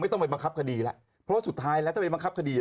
ไม่ต้องไปบังคับคดีแหละเพราะสุดท้ายแล้วจะไปบังคับคดี